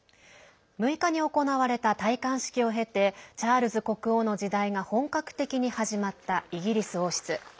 ６日に行われた戴冠式を経てチャールズ国王の時代が本格的に始まったイギリス王室。